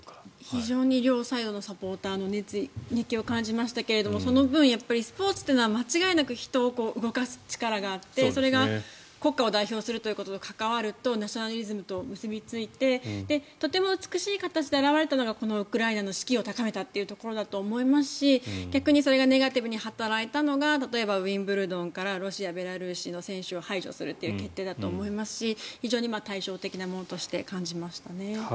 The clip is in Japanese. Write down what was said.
非常に両サイドのサポーターの熱気を感じましたけどその分、スポーツというのは間違いなく人を動かす力があってそれが国家を代表するということと関わるとナショナリズムと結びついてとても美しい形で表れたのがウクライナの士気を高めたというところだと思いますし逆にそれがネガティブに働いたのが例えばウィンブルドンからロシア、ベラルーシの選手を排除するという決定だと思いますし非常に対照的なものとして感じましたね。